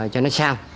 cho nó sao